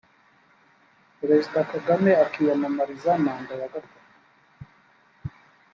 Perezida Kagame akiyamamariza manda ya gatatu